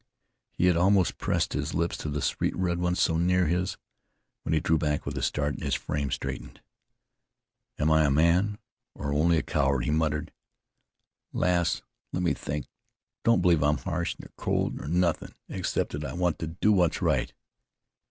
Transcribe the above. He had almost pressed his lips to the sweet red ones so near his, when he drew back with a start, and his frame straightened. "Am I a man, or only a coward?" he muttered. "Lass, let me think. Don't believe I'm harsh, nor cold, nor nothin' except that I want to do what's right."